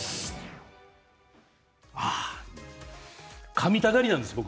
かみたがりなんです僕。